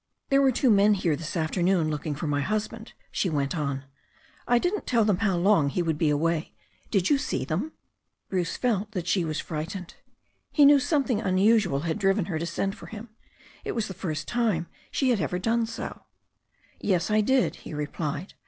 "There were two men here this afternoon, looking for my husband," she went on. "I didn't tell them how long he would be away. Did you see them?" Bruce felt that she was frightened. He knew something unusual had driven her to send for him. It was the first time she had ever done so. "Yes, I did," he replied.